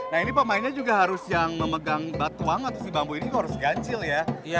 nah ini pemainnya juga harus yang memegang batuang atau si bambu ini harus ganjil ya